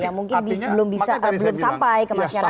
yang mungkin belum bisa belum sampai ke masyarakat